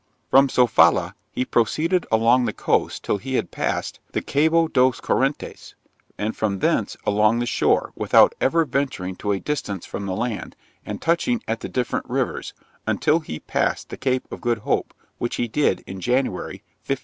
'From Sofala he proceeded along the coast till he had passed the Cabo dos Correntes, and from thence along the shore, without ever venturing to a distance from the land, and touching at the different rivers, until he passed the Cape of Good Hope, which he did in January 1537.